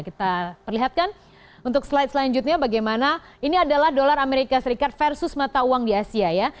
kita perlihatkan untuk slide selanjutnya bagaimana ini adalah dolar amerika serikat versus mata uang di asia ya